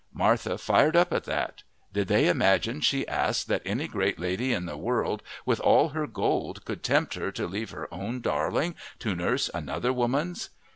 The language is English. Martha fired up at that. Did they imagine, she asked, that any great lady in the world with all her gold could tempt her to leave her own darling to nurse another woman's?